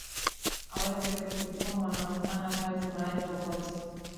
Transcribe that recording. aweze kutumwa na kufanya kazi mahali popote